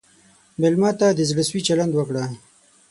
مېلمه ته د زړه سوي چلند وکړه.